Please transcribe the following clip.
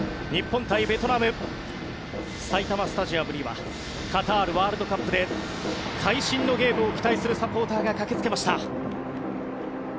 日本対ベトナム埼玉スタジアムにはカタールワールドカップで会心のゲームを期待するサポーターが駆け付けました。